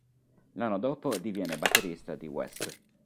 L'anno dopo diviene batterista di Wess.